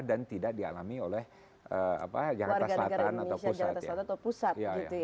dan tidak dialami oleh jakarta selatan atau pusat